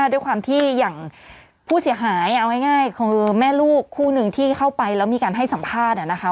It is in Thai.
ด้วยความที่อย่างผู้เสียหายเอาง่ายคือแม่ลูกคู่หนึ่งที่เข้าไปแล้วมีการให้สัมภาษณ์